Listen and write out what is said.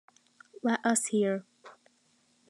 Let us hear.